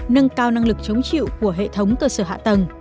nâng cao năng lực chống chịu của hệ thống cơ sở hạ tầng